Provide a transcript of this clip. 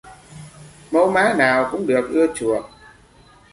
Mẫu mã nào cũng được ưa chuộng